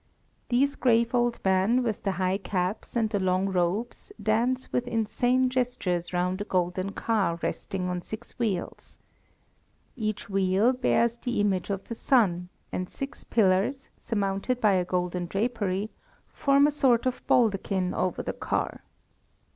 These grave old men with the high caps and the long robes dance with insane gestures round a golden car resting on six wheels. Each wheel bears the image of the sun, and six pillars, surmounted by a golden drapery, form a sort of baldachin over the car.